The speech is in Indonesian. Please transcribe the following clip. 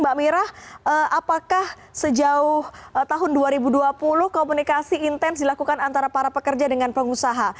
mbak mira apakah sejauh tahun dua ribu dua puluh komunikasi intens dilakukan antara para pekerja dengan pengusaha